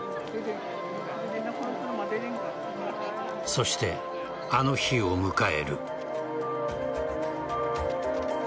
そして、あの日を迎える。